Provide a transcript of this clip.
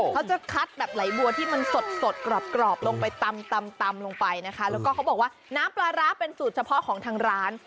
ว่าจะคัทแบบไหลบัวที่มันสดกรอบตำปลาระวันน้ำเป็นสรุปเฉพาะของร้าน